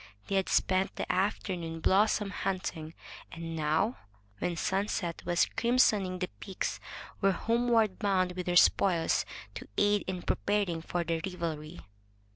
They had spent the afternoon blossom hunting, and now, when sunset was crimsoning the peaks, were homeward bound with their spoils, to aid in preparing for the revelry.